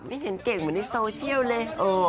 ไม่เห็นเก่งเหมือนในโซเชียลเลย